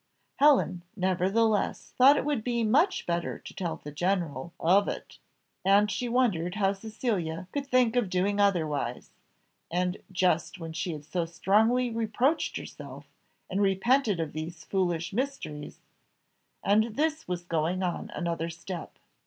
Helen, nevertheless, thought it would be much better to tell the general of it, and she wondered how Cecilia could think of doing otherwise, and just when she had so strongly reproached herself, and repented of these foolish mysteries; and this was going on another step.